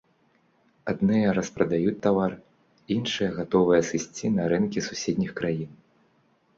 Адныя распрадаюць тавар, іншыя гатовыя сысці на рынкі суседніх краін.